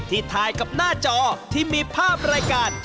ถ่ายกับหน้าจอที่มีภาพรายการ